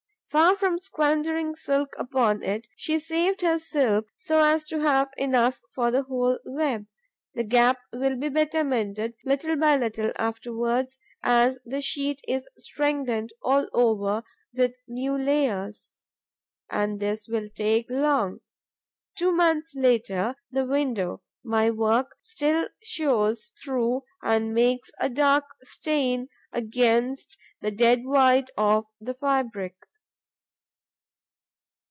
Far from squandering silk upon it, she saved her silk so as to have enough for the whole web. The gap will be better mended, little by little, afterwards, as the sheet is strengthened all over with new layers. And this will take long. Two months later, the window my work still shows through and makes a dark stain against the dead white of the fabric.